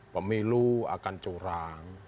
pemilu akan curang